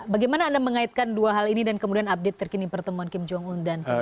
bagaimana anda mengaitkan dua hal ini dan kemudian update terkini pertemuan kim jong un dan